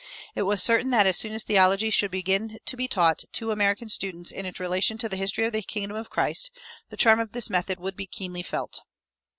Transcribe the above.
It was certain that as soon as theology should begin to be taught to American students in its relation to the history of the kingdom of Christ, the charm of this method would be keenly felt.